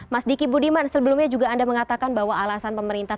mas diki budiman sebelumnya juga anda mengatakan bahwa alasan pemerintah